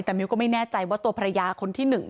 แต่มิวก็ไม่แน่ใจว่าตัวภรรยาคนที่๑